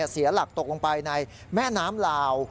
เสียหลักตกลงไปในแม่น้ำลาว